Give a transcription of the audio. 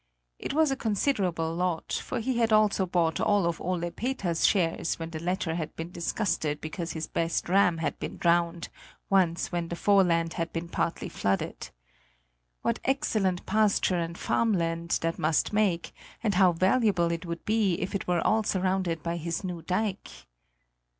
It was a considerable lot; for he had also bought all of Ole Peter's shares when the latter had been disgusted because his best ram had been drowned, once when the foreland had been partly flooded. What excellent pasture and farm land that must make and how valuable it would be if it were all surrounded by his new dike!